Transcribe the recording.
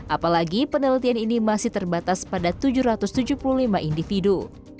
apalagi penelitian ini masih terbatas pada tujuh ratus tujuh puluh lima individu